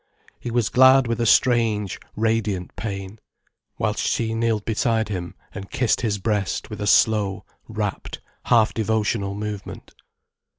He was glad with a strange, radiant pain. Whilst she kneeled beside him, and kissed his breast with a slow, rapt, half devotional movement.